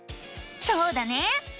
そうだね！